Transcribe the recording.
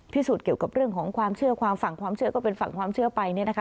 สูจนเกี่ยวกับเรื่องของความเชื่อความฝั่งความเชื่อก็เป็นฝั่งความเชื่อไปเนี่ยนะคะ